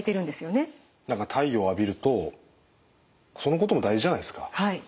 太陽浴びるとそのことも大事じゃないですか。